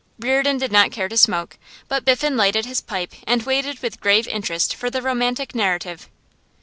Reardon did not care to smoke, but Biffen lit his pipe and waited with grave interest for the romantic narrative.